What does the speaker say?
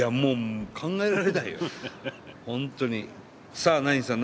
さあ、ナインさん。